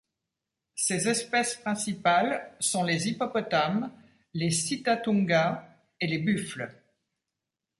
Ces espèces principales sont les hippopotames, les sitatungas, et les buffles.